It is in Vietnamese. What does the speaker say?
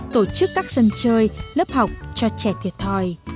tổ chức các sân chơi lớp học cho trẻ thiệt thòi